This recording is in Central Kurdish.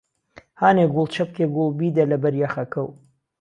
هانێ گوڵ چهپکێ گوڵ بیده له بهر یهخهکهو